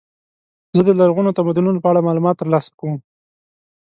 زه د لرغونو تمدنونو په اړه معلومات ترلاسه کوم.